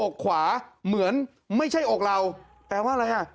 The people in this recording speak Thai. ขวาเหมือนไม่ใช่อกเราแปลว่าอะไรฮะ